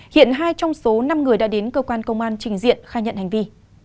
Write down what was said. hiện hai trong số năm người đã đến cơ quan công an trình diện khai nhận hành vi